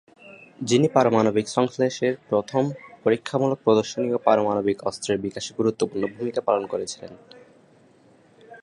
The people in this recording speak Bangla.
যিনি পারমাণবিক সংশ্লেষের প্রথম পরীক্ষামূলক প্রদর্শনী এবং পারমাণবিক অস্ত্রের বিকাশে গুরুত্বপূর্ণ ভূমিকা পালন করেছিলেন।